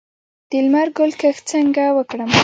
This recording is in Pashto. د لمر ګل کښت څنګه وکړم؟